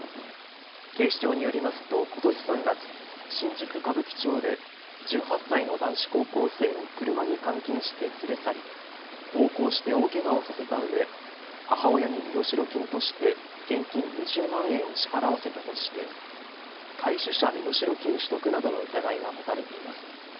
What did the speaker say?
警視庁によりますとことし３月、新宿歌舞伎町で１８歳の男子高校生を車に監禁して連れ去り暴行して大けがをさせたうえ母親に身代金として現金２０万円を支払わせたとして拐取者身代金取得などの疑いが持たれています。